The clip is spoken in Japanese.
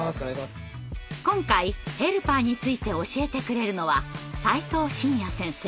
今回ヘルパーについて教えてくれるのは齋藤信弥先生。